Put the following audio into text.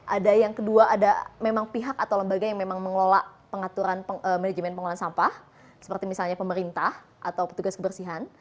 ada yang kedua ada memang pihak atau lembaga yang memang mengelola pengaturan manajemen pengelolaan sampah seperti misalnya pemerintah atau petugas kebersihan